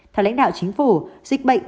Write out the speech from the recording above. theo lãnh đạo chính phủ dịch bệnh